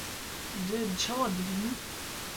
Tu çawa dibînî?